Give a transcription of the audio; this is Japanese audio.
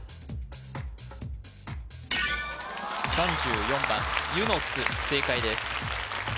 ３４番ゆのつ正解です